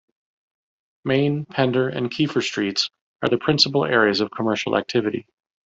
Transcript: Main, Pender, and Keefer Streets are the principal areas of commercial activity.